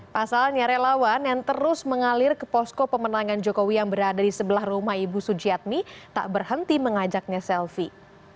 pasalnya relawan yang terus mengalir ke posko pemenangan jokowi yang berada di sebelah rumah ibu sujiatmi tak berhenti mengajaknya selfie